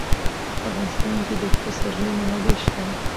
په افغانستان کې د پسرلی منابع شته.